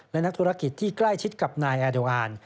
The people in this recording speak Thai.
และนักธุรกิจที่ใกล้ชิดกับนายแอร์โดอาร์น